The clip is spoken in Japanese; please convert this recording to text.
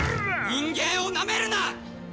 人間をなめるな！